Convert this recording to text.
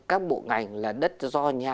các bộ ngành là đất do nhà